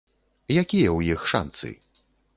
Якія ў іх шанцы?